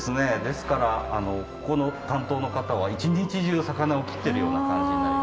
ですからここの担当の方は一日中魚を切ってるような感じになります。